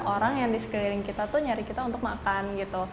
orang yang di sekeliling kita tuh nyari kita untuk makan gitu